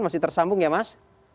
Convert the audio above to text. masih tersambung ya mas